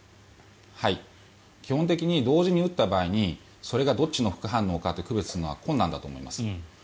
基本的に同時に打った場合にそれがどっちの副反応か判断するのは難しいと思います。